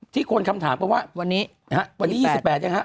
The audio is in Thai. ที่คนคำถามว่าวันนี้๒๘ยังฮะ